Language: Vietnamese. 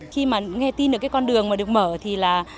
khi mà nghe tin được cái con đường mà được mở thì là